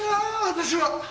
私は。